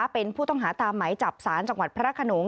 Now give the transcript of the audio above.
เป็นผู้ต้องหาตามไหมจับศาลจังหวัดพระขนง